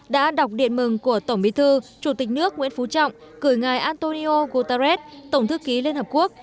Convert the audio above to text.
đã đọc điện mừng của tổng bí thư chủ tịch nước nguyễn phú trọng cử ngài antonio guterres tổng thư ký liên hợp quốc